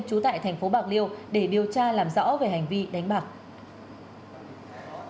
trú tại thành phố bạc liêu để điều tra làm rõ về hành vi đánh bạc